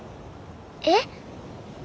えっ？